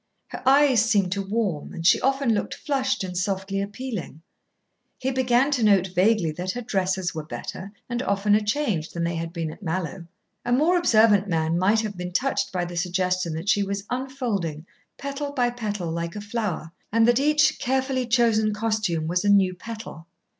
Her eyes seemed to warm, and she often looked flushed and softly appealing. He began to note vaguely that her dresses were better, and oftener changed, than they had been at Mallowe. A more observant man might have been touched by the suggestion that she was unfolding petal by petal like a flower, and that each carefully chosen costume was a new petal.